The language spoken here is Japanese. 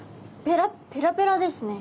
ペラペラですね。